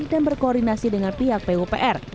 dan berkoordinasi dengan pihak pupr